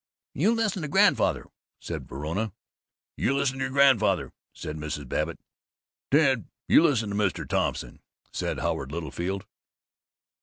"You listen to Grandfather!" said Verona. "Yes, listen to your Grandfather!" said Mrs. Babbitt. "Ted, you listen to Mr. Thompson!" said Howard Littlefield.